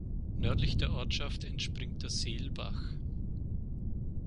Nördlich der Ortschaft entspringt der Selbach.